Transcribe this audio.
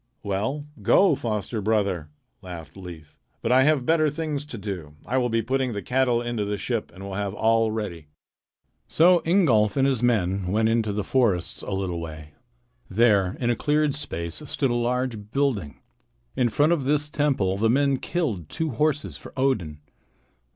"Well, go, foster brother," laughed Leif. "But I have better things to do. I will be putting the cattle into the ship and will have all ready." So Ingolf and his men went into the forests a little way. There in a cleared space stood a large building. In front of this temple the men killed two horses for Odin.